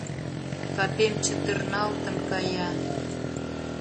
Капем чытырналтын кая.